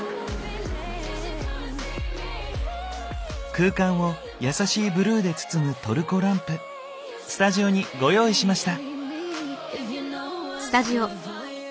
空間を優しいブルーで包むトルコランプスタジオにご用意しました。